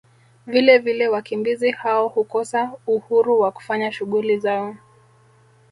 Vilevile wakimbizi hao hukosa Uhuru wa kufanya shughuli zao